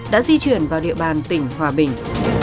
đã di chuyển vào địa bàn tỉnh hòa bình